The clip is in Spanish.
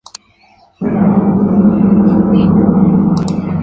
Providence se localiza dentro de los límites metropolitanos de la ciudad de Logan.